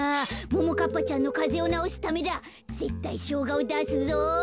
ももかっぱちゃんのかぜをなおすためだぜったいしょうがをだすぞ。